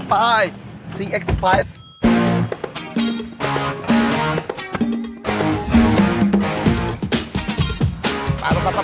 พี่เลิกก็เลิกก็เลิก